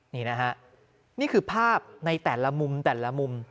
นี่นะฮะนี่คือภาพในแต่ละมุมแต่ละมุม